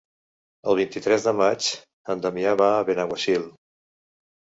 El vint-i-tres de maig en Damià va a Benaguasil.